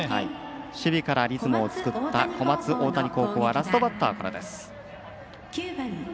守備からリズムを作った小松大谷高校はラストバッターからです。